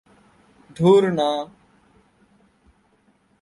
ধুর, না।